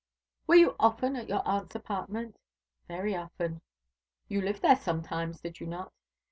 "Were you often at your aunt's apartment?" "Very often." "You lived there sometimes, did you not?"